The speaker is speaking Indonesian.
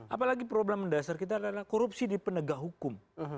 apalagi problem mendasar kita adalah korupsi di penegak hukum